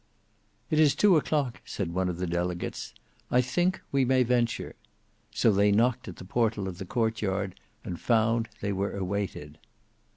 "It is two o'clock," said one of the delegates, "I think we may venture;" so they knocked at the portal of the court yard, and found they were awaited.